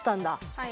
はい。